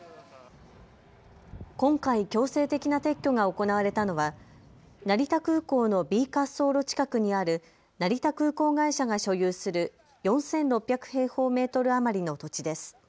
今回、強制的な撤去が行われたのは成田空港のＢ滑走路近くにある成田空港会社が所有する４６００平方メートル余りの土地です。